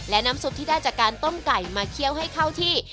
และน้ำซุปที่ได้จากการต้มไก่มาเคี่ยวให้เข้าที่